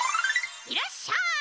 いらっしゃい！